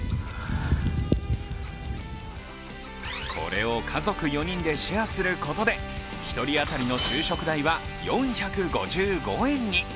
これを家族４人でシェアすることで１人当たりの昼食代は４５５円に。